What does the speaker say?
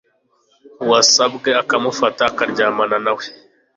uwasabwe akamufata akaryamana na we